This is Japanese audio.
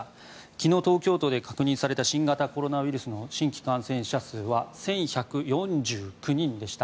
昨日、東京都で確認された新型コロナウイルスの新規感染者数は１１４９人でした。